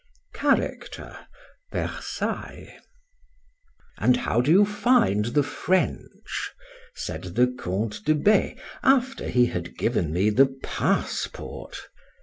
CHARACTER. VERSAILLES. AND how do you find the French? said the Count de B—, after he had given me the passport.